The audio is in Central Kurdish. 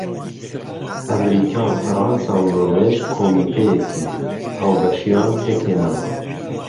ئەمریكا، فەرانسا و نۆروێژ كۆمیتەیەكی ھاوبەشیان پێكھێناوە